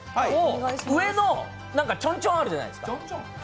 上のちょんちょん、あるじゃないですか。